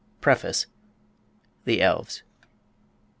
PREFACE. THE ELVES.